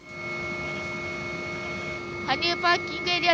羽生パーキングエリア